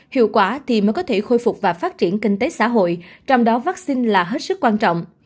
hiệu quả thì mới có thể khôi phục và phát triển kinh tế xã hội trong đó vaccine là hết sức quan trọng